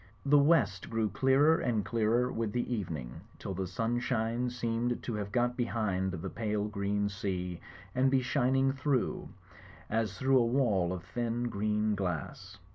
The west grew clearer and clearer with the evening, till the sunshine seemed to have got behind the pale green sea and be shining through, as through a wall of thin green glass.